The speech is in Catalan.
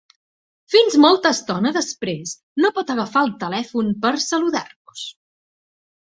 Fins molta estona després no pot agafar el telèfon per saludar-nos.